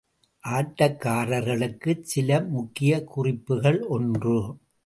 ஆட்டக்காரர்களுக்கு சில முக்கிய குறிப்புகள் ஒன்று.